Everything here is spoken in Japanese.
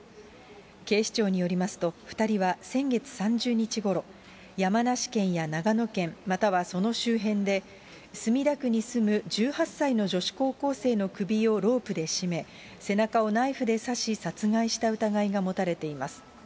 警視庁によりますと、２人は先月３０日ごろ、山梨県や長野県、またはその周辺で、墨田区に住む１８歳の女子高校生の首をロープで絞め、背中をナイフで刺し殺害した疑いが持たれています。